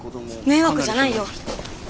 迷惑じゃないよ。